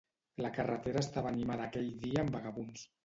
La carretera estava animada aquell dia amb vagabunds.